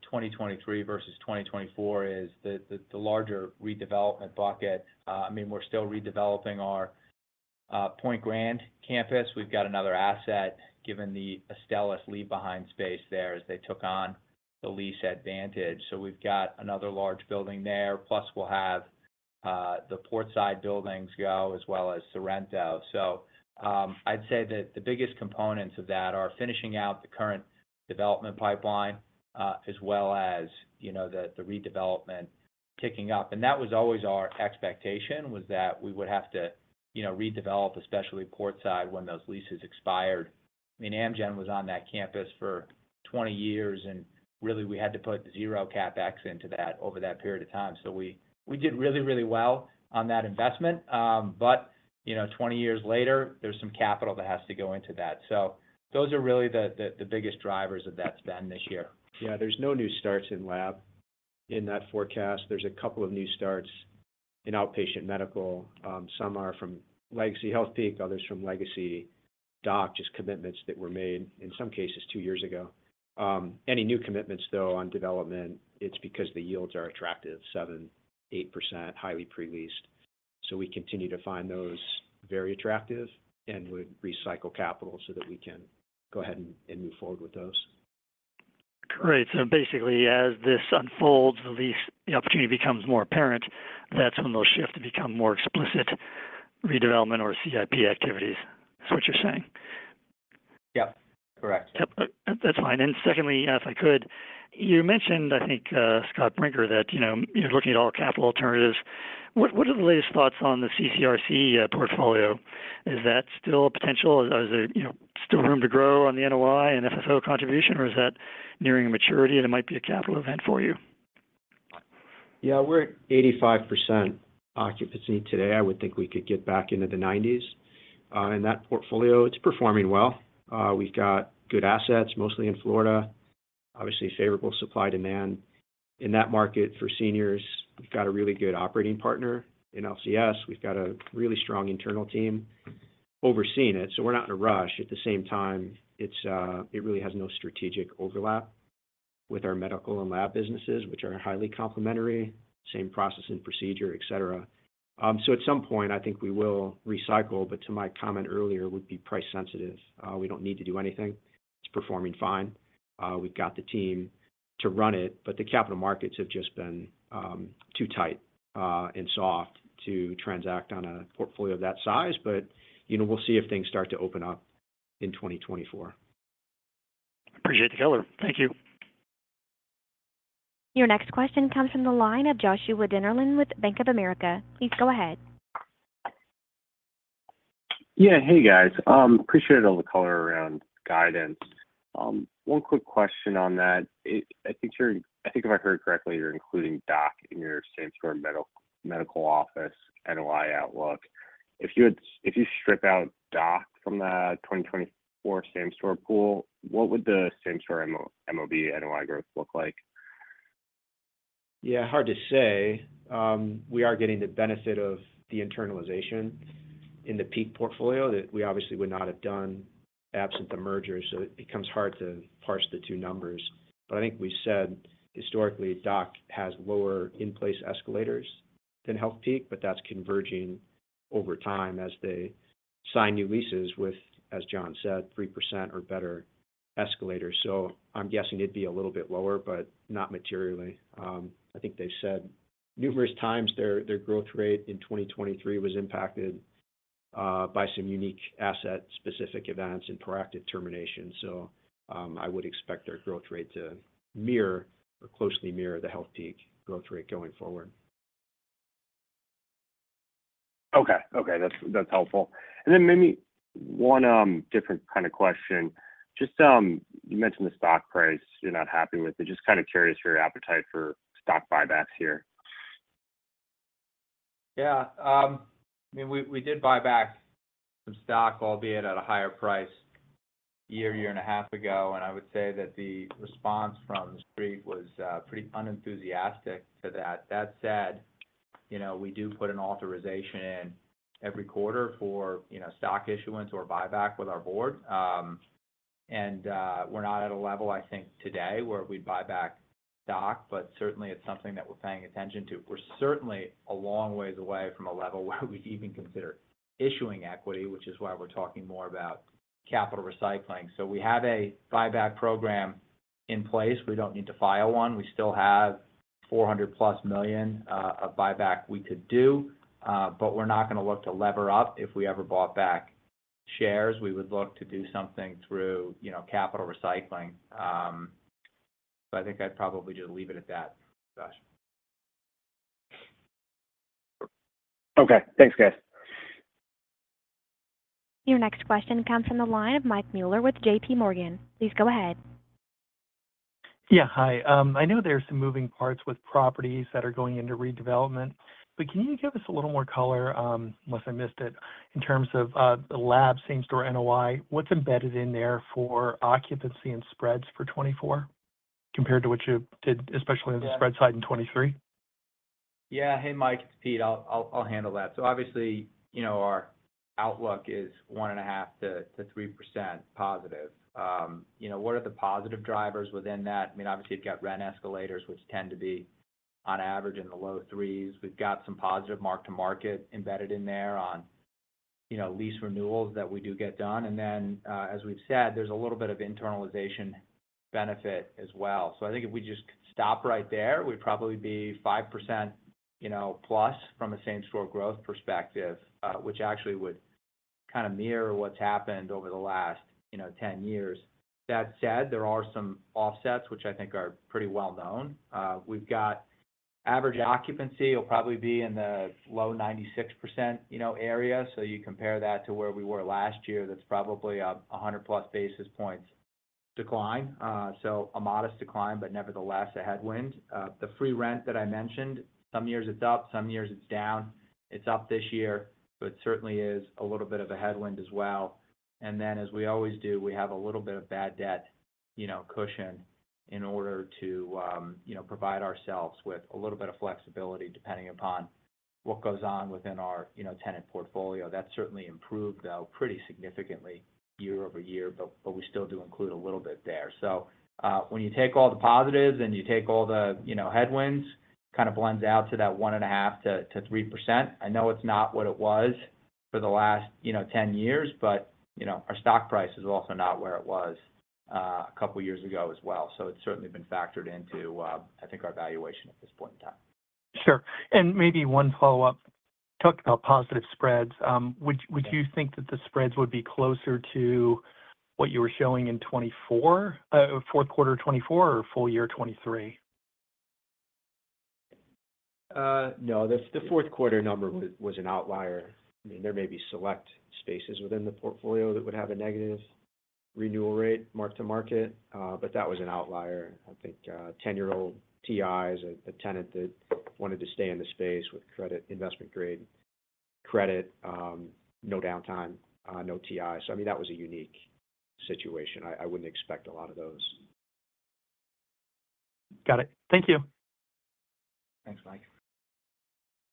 2023 versus 2024 is the larger redevelopment bucket. I mean, we're still redeveloping our Point Grand campus. We've got another asset, given the Astellas leave-behind space there as they took on the lease at Vantage. So we've got another large building there. Plus, we'll have the Portside buildings go as well as Sorrento. So I'd say that the biggest components of that are finishing out the current development pipeline as well as the redevelopment kicking up. And that was always our expectation, was that we would have to redevelop, especially Portside when those leases expired. I mean, Amgen was on that campus for 20 years, and really, we had to put zero CapEx into that over that period of time. So we did really, really well on that investment. But 20 years later, there's some capital that has to go into that. So those are really the biggest drivers of that spend this year. Yeah. There's no new starts in lab in that forecast. There's a couple of new starts in outpatient medical. Some are from Legacy Healthpeak, others from Legacy DOC, just commitments that were made, in some cases, two years ago. Any new commitments, though, on development, it's because the yields are attractive, 7%-8%, highly pre-leased. So we continue to find those very attractive and would recycle capital so that we can go ahead and move forward with those. Great. So basically, as this unfolds, the opportunity becomes more apparent. That's when they'll shift to become more explicit redevelopment or CIP activities. That's what you're saying? Yep. Correct. That's fine. Secondly, if I could, you mentioned, I think, Scott Brinker, that you're looking at all capital alternatives. What are the latest thoughts on the CCRC portfolio? Is that still a potential? Is there still room to grow on the NOI and FFO contribution, or is that nearing maturity and it might be a capital event for you? Yeah. We're at 85% occupancy today. I would think we could get back into the 90s in that portfolio. It's performing well. We've got good assets, mostly in Florida, obviously favorable supply-demand in that market for seniors. We've got a really good operating partner in LCS. We've got a really strong internal team overseeing it. So we're not in a rush. At the same time, it really has no strategic overlap with our medical and lab businesses, which are highly complementary, same process and procedure, etc. So at some point, I think we will recycle, but to my comment earlier, would be price-sensitive. We don't need to do anything. It's performing fine. We've got the team to run it, but the capital markets have just been too tight and soft to transact on a portfolio of that size. But we'll see if things start to open up in 2024. Appreciate the color. Thank you. Your next question comes from the line of Joshua Dennerlein with Bank of America. Please go ahead. Yeah. Hey, guys. Appreciate all the color around guidance. One quick question on that. I think if I heard correctly, you're including DOC in your same-store Medical Office NOI outlook. If you strip out DOC from the 2024 same-store pool, what would the same-store MOB NOI growth look like? Yeah. Hard to say. We are getting the benefit of the internalization in the Healthpeak portfolio that we obviously would not have done absent the merger. So it becomes hard to parse the two numbers. But I think we've said historically, DOC has lower in-place escalators than Healthpeak, but that's converging over time as they sign new leases with, as John said, 3% or better escalators. So I'm guessing it'd be a little bit lower, but not materially. I think they've said numerous times their growth rate in 2023 was impacted by some unique asset-specific events and proactive termination. So I would expect their growth rate to mirror or closely mirror the Healthpeak growth rate going forward. Okay. Okay. That's helpful. And then maybe one different kind of question. You mentioned the stock price. You're not happy with it. Just kind of curious for your appetite for stock buybacks here. Yeah. I mean, we did buy back some stock, albeit at a higher price a year, year and a half ago. And I would say that the response from the street was pretty unenthusiastic to that. That said, we do put an authorization in every quarter for stock issuance or buyback with our board. And we're not at a level, I think, today where we'd buy back stock, but certainly, it's something that we're paying attention to. We're certainly a long ways away from a level where we'd even consider issuing equity, which is why we're talking more about capital recycling. So we have a buyback program in place. We don't need to file one. We still have $400+ million of buyback we could do, but we're not going to look to lever up if we ever bought back shares. We would look to do something through capital recycling. But I think I'd probably just leave it at that, Josh. Okay. Thanks, guys. Your next question comes from the line of Mike Mueller with J.P. Morgan. Please go ahead. Yeah. Hi. I know there are some moving parts with properties that are going into redevelopment, but can you give us a little more color unless I missed it in terms of the lab, same-store NOI, what's embedded in there for occupancy and spreads for 2024 compared to what you did, especially on the spread side in 2023? Yeah. Hey, Mike. It's Pete. I'll handle that. So obviously, our outlook is 1.5%-3% positive. What are the positive drivers within that? I mean, obviously, you've got rent escalators, which tend to be, on average, in the low 3s. We've got some positive mark-to-market embedded in there on lease renewals that we do get done. And then, as we've said, there's a little bit of internalization benefit as well. So I think if we just stop right there, we'd probably be 5%+ from a same-store growth perspective, which actually would kind of mirror what's happened over the last 10 years. That said, there are some offsets, which I think are pretty well-known. Average occupancy will probably be in the low 96% area. So you compare that to where we were last year, that's probably a 100+ basis points decline. So a modest decline, but nevertheless, a headwind. The free rent that I mentioned, some years it's up, some years it's down. It's up this year, but it certainly is a little bit of a headwind as well. And then, as we always do, we have a little bit of bad debt cushion in order to provide ourselves with a little bit of flexibility depending upon what goes on within our tenant portfolio. That's certainly improved, though, pretty significantly year-over-year, but we still do include a little bit there. So when you take all the positives and you take all the headwinds, it kind of blends out to that 1.5%-3%. I know it's not what it was for the last 10 years, but our stock price is also not where it was a couple of years ago as well. It's certainly been factored into, I think, our valuation at this point in time. Sure. And maybe one follow-up. Talked about positive spreads. Would you think that the spreads would be closer to what you were showing in fourth quarter of 2024 or full year 2023? No. The fourth quarter number was an outlier. I mean, there may be select spaces within the portfolio that would have a negative renewal rate, mark-to-market, but that was an outlier. I think 10-year-old TIs, a tenant that wanted to stay in the space with investment-grade credit, no downtime, no TI. So I mean, that was a unique situation. I wouldn't expect a lot of those. Got it. Thank you. Thanks, Mike.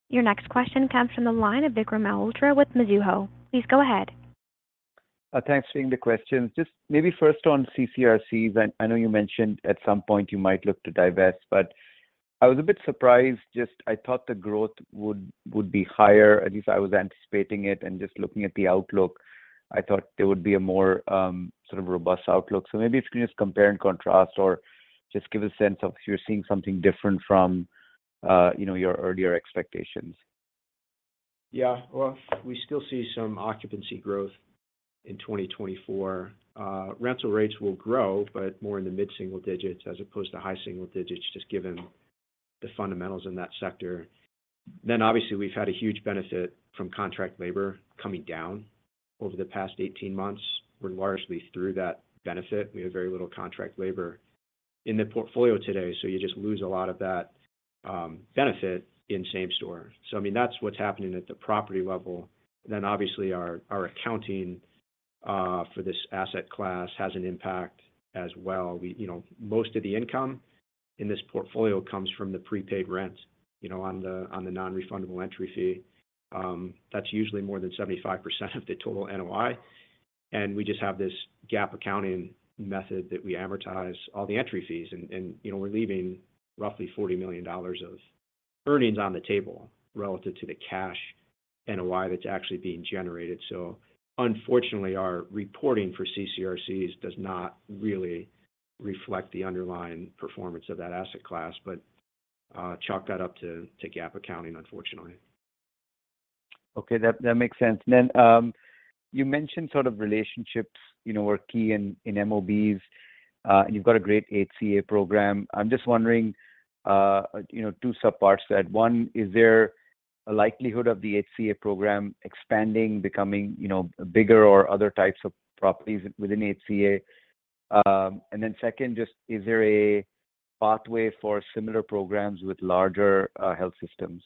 Your next question comes from the line of Vikram Malhotra with Mizuho. Please go ahead. Thanks for the questions. Just maybe first on CCRCs. I know you mentioned at some point you might look to divest, but I was a bit surprised. I thought the growth would be higher, at least I was anticipating it. Just looking at the outlook, I thought there would be a more sort of robust outlook. Maybe if you can just compare and contrast or just give a sense of if you're seeing something different from your earlier expectations. Yeah. Well, we still see some occupancy growth in 2024. Rental rates will grow, but more in the mid-single digits as opposed to high-single digits, just given the fundamentals in that sector. Then, obviously, we've had a huge benefit from contract labor coming down over the past 18 months. We're largely through that benefit. We have very little contract labor in the portfolio today, so you just lose a lot of that benefit in same-store. So I mean, that's what's happening at the property level. Then, obviously, our accounting for this asset class has an impact as well. Most of the income in this portfolio comes from the prepaid rent on the non-refundable entry fee. That's usually more than 75% of the total NOI. We just have this GAAP accounting method that we amortize all the entry fees, and we're leaving roughly $40 million of earnings on the table relative to the cash NOI that's actually being generated. Unfortunately, our reporting for CCRCs does not really reflect the underlying performance of that asset class, but chalk that up to GAAP accounting, unfortunately. Okay. That makes sense. And then you mentioned sort of relationships were key in MOBs, and you've got a great HCA program. I'm just wondering two subparts to that. One, is there a likelihood of the HCA program expanding, becoming bigger, or other types of properties within HCA? And then second, just is there a pathway for similar programs with larger health systems?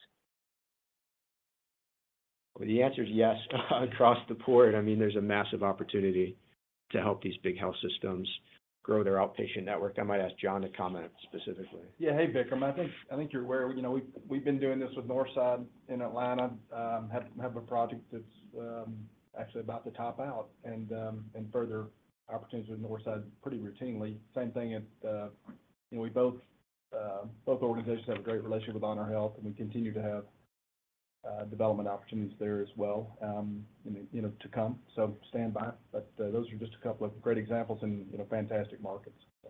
The answer is yes across the board. I mean, there's a massive opportunity to help these big health systems grow their outpatient network. I might ask John to comment specifically. Yeah. Hey, Vikram. I think you're aware. We've been doing this with Northside in Atlanta. Have a project that's actually about to top out and further opportunities with Northside pretty routinely. Same thing at both organizations have a great relationship with HonorHealth, and we continue to have development opportunities there as well to come. So stand by. But those are just a couple of great examples and fantastic markets, so.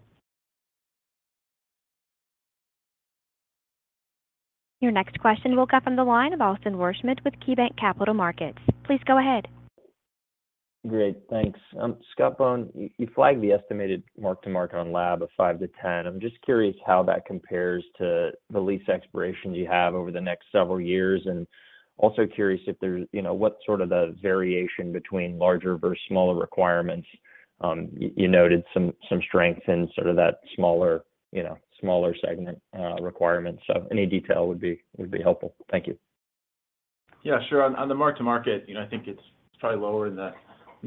Your next question will come from the line of Austin Wurschmidt with KeyBank Capital Markets. Please go ahead. Great. Thanks. Scott Bohn, you flagged the estimated mark-to-market on lab of 5-10. I'm just curious how that compares to the lease expirations you have over the next several years and also curious what sort of the variation between larger versus smaller requirements. You noted some strength in sort of that smaller segment requirements. So any detail would be helpful. Thank you. Yeah. Sure. On the mark-to-market, I think it's probably lower in the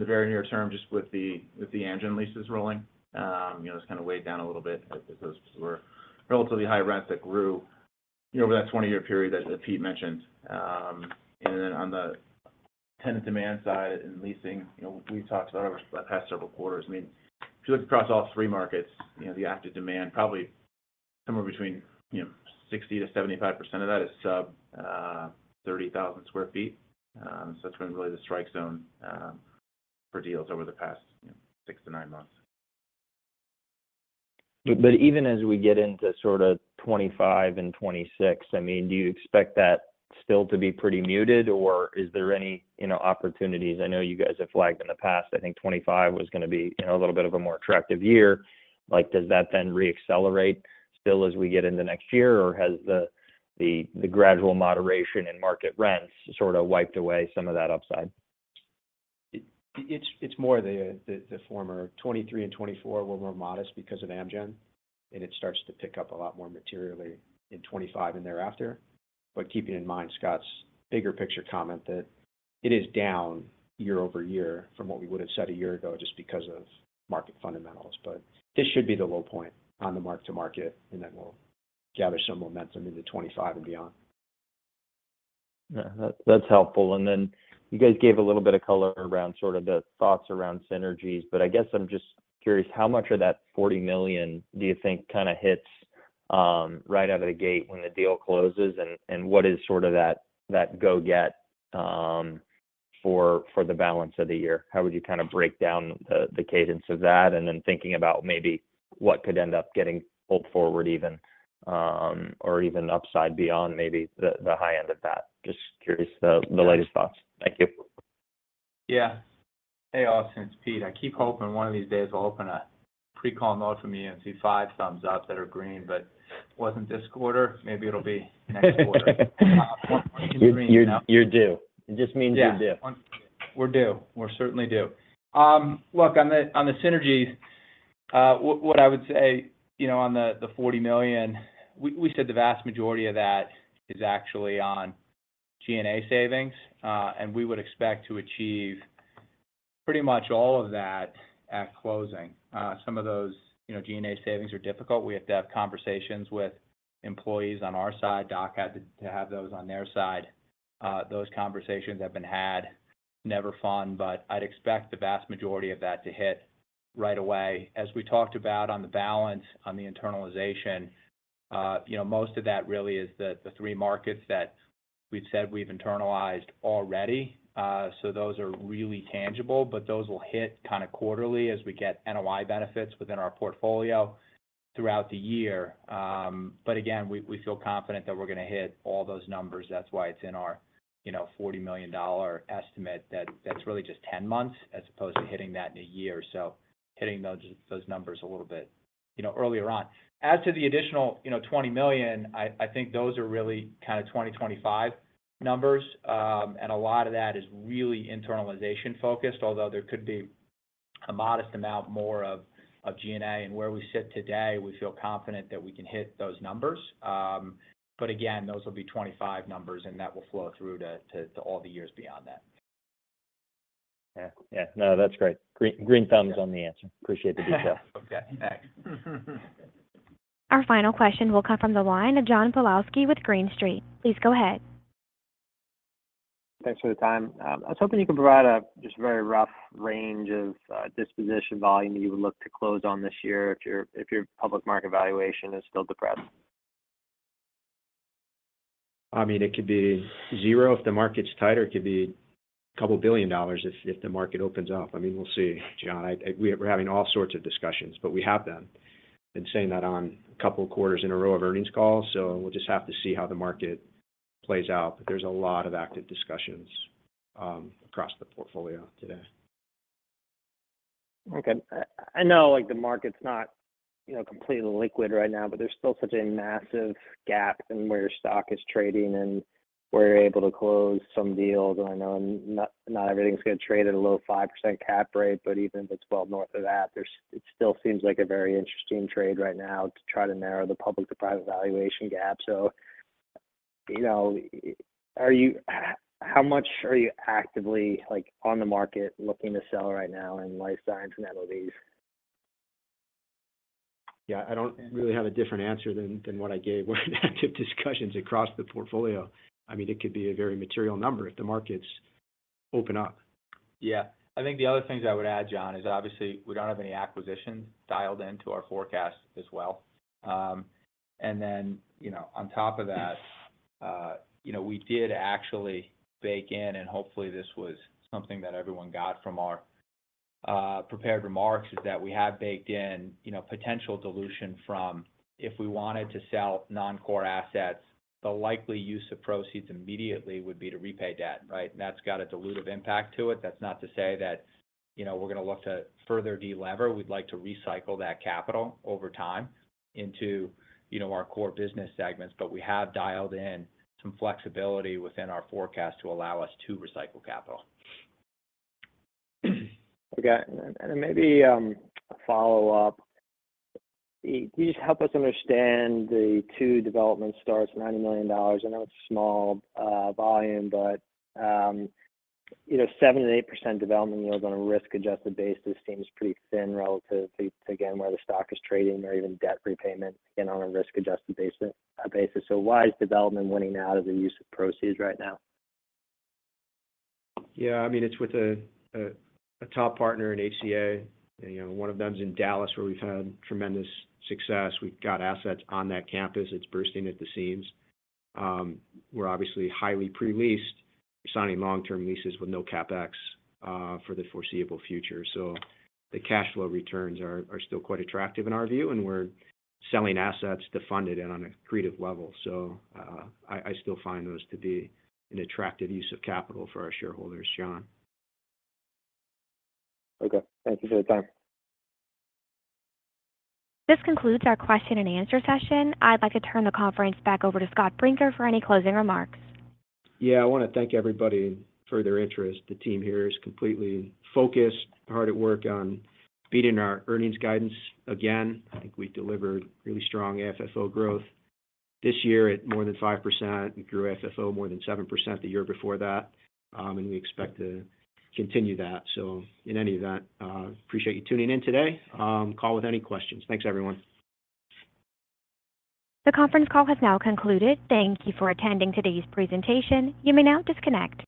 very near term just with the Amgen leases rolling. It's kind of weighed down a little bit because those were relatively high rents that grew over that 20-year period that Pete mentioned. And then on the tenant demand side in leasing, we've talked about over the past several quarters. I mean, if you look across all three markets, the active demand, probably somewhere between 60%-75% of that is sub 30,000 sq ft. So that's been really the strike zone for deals over the past 6-9 months. But even as we get into sort of 2025 and 2026, I mean, do you expect that still to be pretty muted, or is there any opportunities? I know you guys have flagged in the past, I think 2025 was going to be a little bit of a more attractive year. Does that then reaccelerate still as we get into next year, or has the gradual moderation in market rents sort of wiped away some of that upside? It's more the former. 2023 and 2024 were more modest because of Amgen, and it starts to pick up a lot more materially in 2025 and thereafter. But keeping in mind Scott's bigger picture comment that it is down year-over-year from what we would have said a year ago just because of market fundamentals. But this should be the low point on the mark-to-market, and then we'll gather some momentum into 2025 and beyond. Yeah. That's helpful. And then you guys gave a little bit of color around sort of the thoughts around synergies, but I guess I'm just curious, how much of that $40 million do you think kind of hits right out of the gate when the deal closes, and what is sort of that go-forward for the balance of the year? How would you kind of break down the cadence of that and then thinking about maybe what could end up getting pulled forward even or even upside beyond maybe the high end of that? Just curious the latest thoughts. Thank you. Yeah. Hey, Austin. It's Pete. I keep hoping one of these days will open a pre-call note for me and see five thumbs up that are green, but wasn't this quarter? Maybe it'll be next quarter. You're due. It just means you're due. Yeah. We're due. We're certainly due. Look, on the synergies, what I would say on the $40 million, we said the vast majority of that is actually on G&A savings, and we would expect to achieve pretty much all of that at closing. Some of those G&A savings are difficult. We have to have conversations with employees on our side. Doc had to have those on their side. Those conversations have been had. Never fun, but I'd expect the vast majority of that to hit right away. As we talked about on the balance, on the internalization, most of that really is the three markets that we've said we've internalized already. So those are really tangible, but those will hit kind of quarterly as we get NOI benefits within our portfolio throughout the year. But again, we feel confident that we're going to hit all those numbers. That's why it's in our $40 million estimate. That's really just 10 months as opposed to hitting that in a year. So hitting those numbers a little bit earlier on. As to the additional $20 million, I think those are really kind of 2025 numbers, and a lot of that is really internalization-focused, although there could be a modest amount more of G&A. And where we sit today, we feel confident that we can hit those numbers. But again, those will be 2025 numbers, and that will flow through to all the years beyond that. Yeah. Yeah. No, that's great. Green thumbs on the answer. Appreciate the detail. Okay. Thanks. Our final question will come from the line of John Pawlowski with Green Street. Please go ahead. Thanks for the time. I was hoping you could provide a just very rough range of disposition volume that you would look to close on this year if your public market valuation is still depressed. I mean, it could be zero if the market's tighter. It could be a couple of billion dollars if the market opens up. I mean, we'll see, John. We're having all sorts of discussions, but we have them and saying that on a couple of quarters in a row of earnings calls. So we'll just have to see how the market plays out. But there's a lot of active discussions across the portfolio today. Okay. I know the market's not completely liquid right now, but there's still such a massive gap in where your stock is trading and where you're able to close some deals. And I know not everything's going to trade at a low 5% cap rate, but even if it's well north of that, it still seems like a very interesting trade right now to try to narrow the public-to-private valuation gap. So how much are you actively on the market looking to sell right now in life science and MOBs? Yeah. I don't really have a different answer than what I gave with active discussions across the portfolio. I mean, it could be a very material number if the markets open up. Yeah. I think the other things I would add, John, is obviously we don't have any acquisitions dialed into our forecast as well. And then on top of that, we did actually bake in, and hopefully, this was something that everyone got from our prepared remarks, is that we have baked in potential dilution from if we wanted to sell non-core assets, the likely use of proceeds immediately would be to repay debt, right? And that's got a dilutive impact to it. That's not to say that we're going to look to further de-lever. We'd like to recycle that capital over time into our core business segments, but we have dialed in some flexibility within our forecast to allow us to recycle capital. Okay. And then maybe a follow-up. Can you just help us understand the two development starts, $90 million? I know it's a small volume, but 7% and 8% development yields on a risk-adjusted basis seems pretty thin relative to, again, where the stock is trading or even debt repayment, again, on a risk-adjusted basis. So why is development winning out of the use of proceeds right now? Yeah. I mean, it's with a top partner in HCA. One of them's in Dallas where we've had tremendous success. We've got assets on that campus. It's bursting at the seams. We're obviously highly pre-leased. We're signing long-term leases with no CapEx for the foreseeable future. So the cash flow returns are still quite attractive in our view, and we're selling assets to fund it on a creative level. So I still find those to be an attractive use of capital for our shareholders, John. Okay. Thank you for your time. This concludes our question-and-answer session. I'd like to turn the conference back over to Scott Brinker for any closing remarks. Yeah. I want to thank everybody for their interest. The team here is completely focused, hard at work on beating our earnings guidance again. I think we delivered really strong FFO growth this year at more than 5%. We grew FFO more than 7% the year before that, and we expect to continue that. So in any event, appreciate you tuning in today. Call with any questions. Thanks, everyone. The conference call has now concluded. Thank you for attending today's presentation. You may now disconnect.